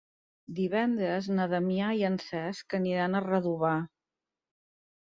Divendres na Damià i en Cesc aniran a Redovà.